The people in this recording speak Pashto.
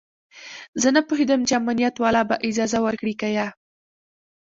زه نه پوهېدم چې امنيت والا به اجازه ورکړي که يه.